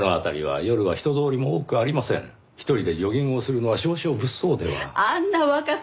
１人でジョギングをするのは少々物騒では。